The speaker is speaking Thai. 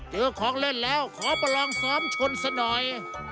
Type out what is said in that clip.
ของเล่นแล้วขอประลองซ้อมชนซะหน่อย